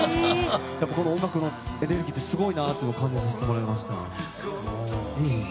音楽のエネルギーってすごいなって感じさせてもらいました。